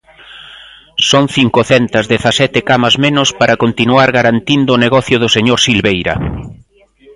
Son cincocentas dezasete camas menos para continuar garantindo o negocio do señor Silveira.